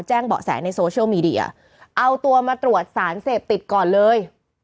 เบาะแสในโซเชียลมีเดียเอาตัวมาตรวจสารเสพติดก่อนเลย